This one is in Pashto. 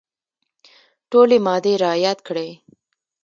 ټولي مادې رعیات کړي.